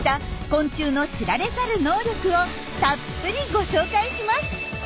昆虫の知られざる能力をたっぷりご紹介します。